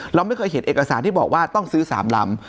เราไม่เคยเห็นเอกสารที่บอกว่าต้องซื้อ๓ลำ